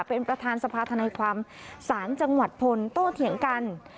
เป็นประธานสภาธนายความศาลจังหวัดพลโตเถียงกัน